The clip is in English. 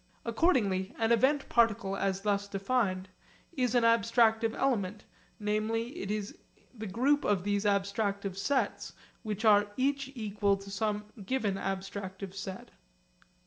Accordingly an event particle as thus defined is an abstractive element, namely it is the group of those abstractive sets which are each equal to some given abstractive set.